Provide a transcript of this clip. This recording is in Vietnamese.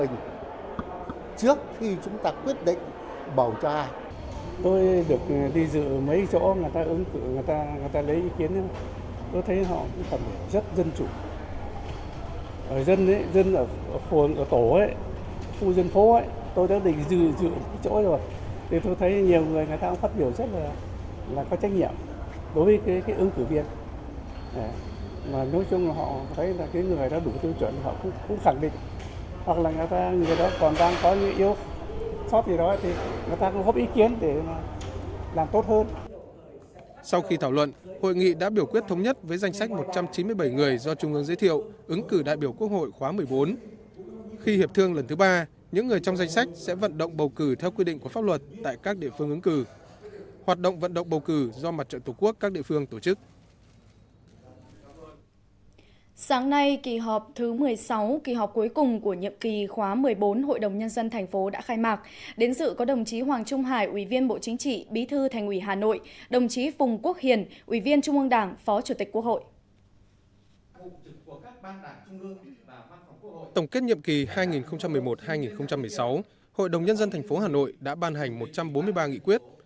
hội đồng nhân dân thành phố hà nội đã ban hành một trăm bốn mươi ba nghị quyết